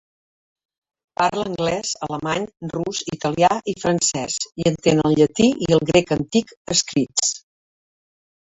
Parla anglès, alemany, rus, italià i francès i entén el llatí i el grec antic escrits.